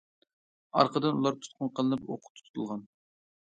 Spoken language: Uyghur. ئارقىدىن، ئۇلار تۇتقۇن قىلىنىپ ئوققا تۇتۇلغان.